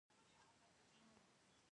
او بیا در له درس درکوي.